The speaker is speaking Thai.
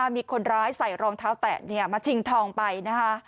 มีคนร้ายใส่รองเท้าแตะมาชิงทองไปนะคะ